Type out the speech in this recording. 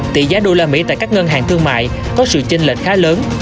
tỷ giá usd tại các ngân hàng thương mại có sự chênh lệnh khá lớn